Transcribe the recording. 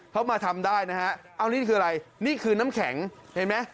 เขามาทำได้นะฮะเอานี่คืออะไรนี่คือน้ำแข็งเห็นไหม